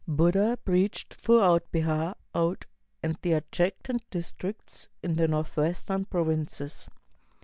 Buddha preached through out Behar, Oudh, and the adjacent districts in the Northwestern Provinces.